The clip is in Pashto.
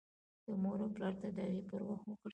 د مور او پلار تداوي پر وخت وکړئ.